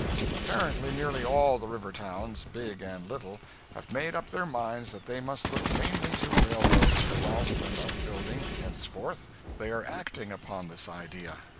Apparently, nearly all the river towns, big and little, have made up their minds that they must look mainly to railroads for wealth and upbuilding, henceforth. They are acting upon this idea.